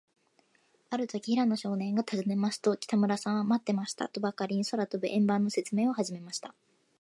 あるとき、平野少年がたずねますと、北村さんは、まってましたとばかり、空とぶ円盤のせつめいをはじめました。